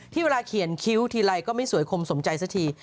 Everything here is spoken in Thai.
เวลาเขียนคิ้วทีไรก็ไม่สวยคมสมใจสักที